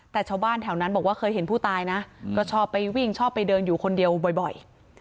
แต่ชาวบ้านแถวนั้นบอกว่าเคยเห็นผู้ตายนะก็ชอบไปวิ่งชอบไปเดินอยู่คนเดียวบ่อย